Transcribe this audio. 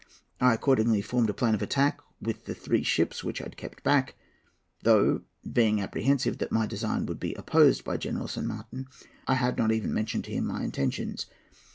I accordingly formed a plan of attack with the three ships which I had kept back, though, being apprehensive that my design would be opposed by General San Martin, I had not even mentioned to him my intentions.